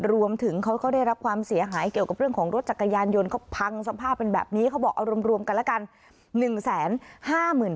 รวมถึงเขาก็ได้รับความเสียหายเกี่ยวกับเรื่องของรถจักรยานยนต์เขาพังสภาพเป็นแบบนี้เขาบอกเอารวมกันแล้วกัน